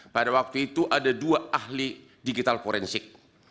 pada waktu itu ada dua ahli digital forensik